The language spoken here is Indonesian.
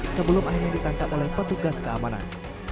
sebelum akhirnya ditangkap oleh petugas keamanan